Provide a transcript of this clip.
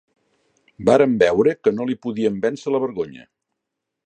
Vàrem veure que no li podíem vèncer la vergonya